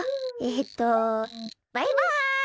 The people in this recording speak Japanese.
えっとバイバイ！